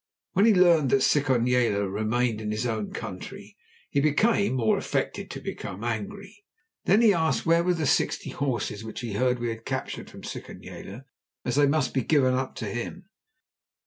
When he learned that Sikonyela remained in his own country, he became, or affected to become, angry. Then he asked where were the sixty horses which he heard we had captured from Sikonyela, as they must be given up to him.